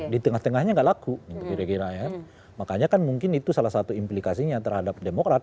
di tengah tengahnya tidak laku makanya kan mungkin itu salah satu implikasinya terhadap demokrat